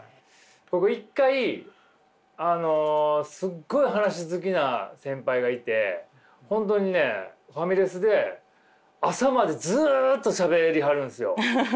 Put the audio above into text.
僕一回すっごい話好きな先輩がいて本当にねファミレスで朝までずっとしゃべりはるんですよ。